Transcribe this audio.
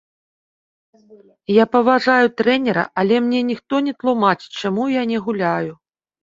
Я паважаю трэнера, але мне ніхто не тлумачыць чаму я не гуляю.